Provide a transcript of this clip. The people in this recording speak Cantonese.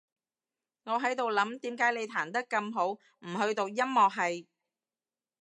我喺度諗，點解你彈得咁好，唔去讀音樂系？